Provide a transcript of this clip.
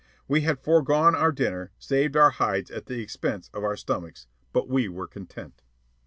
We had foregone our dinner, saved our hides at the expense of our stomachs; but we were content.